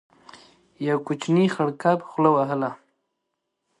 يو کوچنی خړ کب خوله وهله.